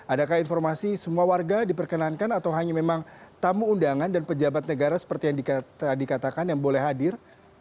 adakah informasi semua warga diperkenankan atau hanya memang tamu undangan dan pejabat negara seperti yang dikatakan yang boleh hadir